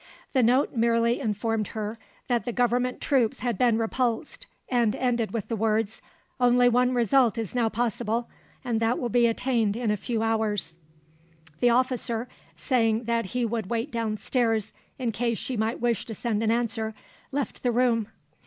The note merely informed her that the Government troops had been repulsed and ended with the words: Only one result is now possible, and that will be attained in a few hours. The officer, saying that he would wait down stairs in case she might wish to send an answer, left the room.